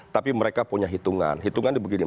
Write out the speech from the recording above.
tapi mereka punya hitungan